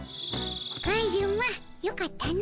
カジュマよかったの。